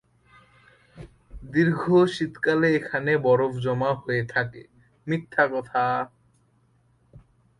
দীর্ঘ শীতকালে এখানে বরফ জমা হয়ে থাকে।